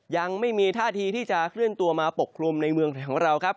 ยังไม่มีท่าทีที่จะเคลื่อนตัวมาปกคลุมในเมืองไทยของเราครับ